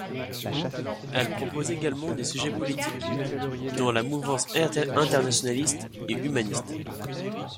Elle propose également des sujets politiques, dans la mouvance Internationaliste et humaniste.